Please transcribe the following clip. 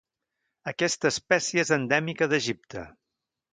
Aquesta espècie és endèmica d'Egipte.